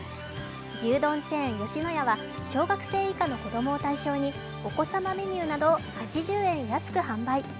牛丼チェーン・吉野家は小学生以下の子供を対象にお子様メニューなどを８０円安く販売。